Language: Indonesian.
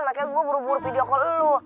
makanya gue buru buru video call lu